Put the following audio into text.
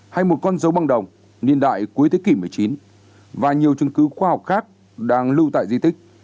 hay một con dấu băng đồng niên đại cuối thế kỷ một mươi chín và nhiều chứng cứ khoa học khác đang lưu tại di tích